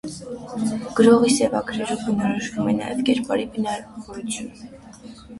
Գրողի սևագրերու բնորոշվում է նաև կերպարի բնավորությունը։